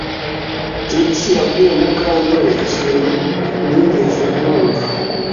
Trix yabwiye Mukandoli ikintu ntigeze numva